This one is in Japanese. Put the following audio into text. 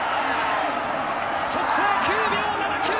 速報９秒７９。